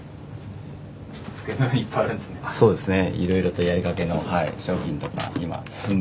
そうですね。